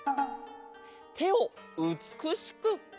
てをうつくしく！